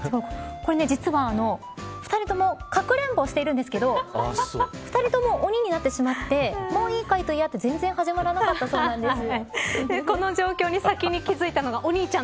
これ実は２人ともかくれんぼしてるんですけど２人とも、鬼になってしまってもういいかいと言い合って始まらなかったそうなんです。